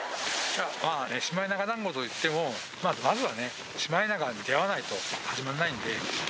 シマエナガだんごといっても、まずはね、シマエナガに出会わないと、始まらないんで。